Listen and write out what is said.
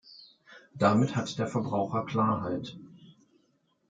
Damit hat der Verbraucher Klarheit.